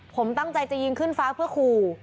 ผมตั้งใจจะยิงขึ้นฟ้าเพื่อขู่